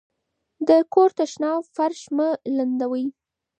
د کور تشناب فرش مه لندوئ.